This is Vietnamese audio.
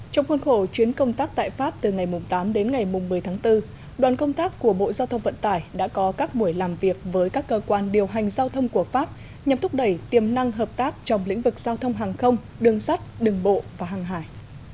trong khuôn khổ chuyến công tác tại pháp từ ngày tám đến ngày một mươi tháng bốn đoàn công tác của bộ giao thông vận tải đã có các buổi làm việc với các cơ quan điều hành giao thông của pháp nhằm thúc đẩy tiềm năng hợp tác trong lĩnh vực giao thông hàng không đường sắt đường bộ và hàng hải